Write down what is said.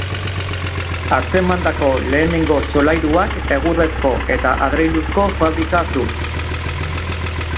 Atzemandako lehenengo solairuak egurrezko eta adreiluzko fabrika du.